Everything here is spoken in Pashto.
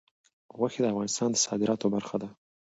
غوښې د افغانستان د صادراتو برخه ده.